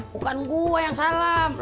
bukan gue yang salam